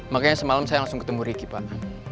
makanya semalam saya langsung ketemu ricky pak